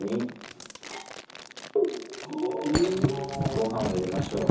ご飯を入れましょう。